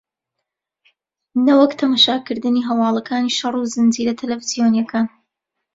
نەوەک تەماشاکردنی هەواڵەکانی شەڕ و زنجیرە تەلەفزیۆنییەکان